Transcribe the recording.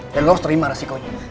lo harus terima resikonya